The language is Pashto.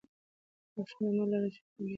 ماشوم د مور له لارښوونې خوندي وي.